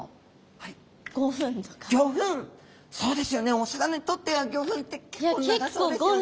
お魚にとっては５分って結構長そうですよね。